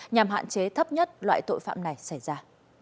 nhằm hạn chế thấp nhất loại tội phạm này xảy ra